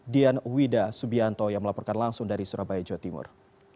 dian wida subianto yang melaporkan langsung dari surabaya jawa timur